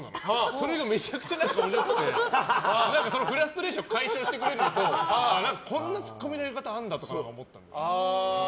それがめちゃくちゃ面白くてそのフラストレーションを解消してくれるのと何かこんなツッコミのやり方あるんだって思って。